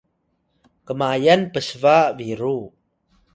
kmayan psba biru